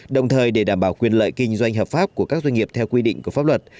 đồng thời để đảm bảo quyền lợi kinh doanh hợp pháp của các doanh nghiệp theo quy định của pháp luật